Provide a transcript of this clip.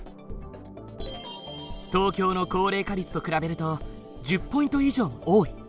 東京の高齢化率と比べると１０ポイント以上多い。